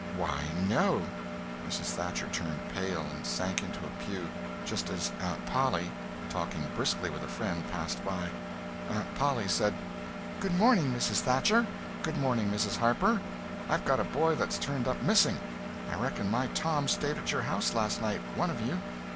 "Why, no." Mrs. Thatcher turned pale, and sank into a pew, just as Aunt Polly, talking briskly with a friend, passed by. Aunt Polly said: "Goodmorning, Mrs. Thatcher. Goodmorning, Mrs. Harper. I've got a boy that's turned up missing. I reckon my Tom stayed at your house last night—one of you.